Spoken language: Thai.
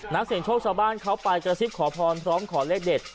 นักเสียงโชคชาวบ้านเขาไปกระซิบขอพรพร้อมขอเลขเด็ด